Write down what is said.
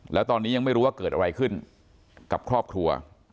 แล้วตอนนี้ยังไม่รู้ว่าเกิดอะไรขึ้นกับครอบครัว